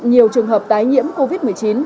nhiều trường hợp tái nhiễm covid một mươi chín